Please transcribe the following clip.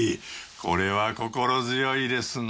これは心強いですな。